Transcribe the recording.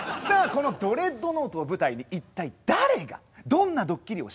このドレッドノートを舞台に一体誰がどんなドッキリを仕掛けたのか。